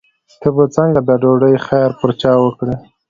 ته به څنګه د ډوډۍ خیر پر چا وکړې.